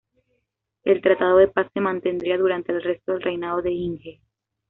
El tratado de paz se mantendría durante el resto del reinado de Inge.